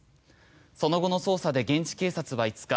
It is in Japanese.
その後の捜査で現地警察は５日